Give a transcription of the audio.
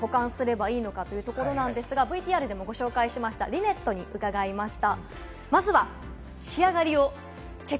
クリーニングから返ってきた衣類をどのように保管すればいいのかというところなんですが、ＶＴＲでもご紹介しました、リネットに伺いました。